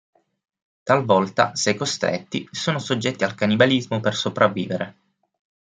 Talvolta, se costretti, sono soggetti al cannibalismo per sopravvivere.